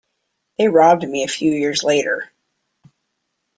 They robbed me a few years later.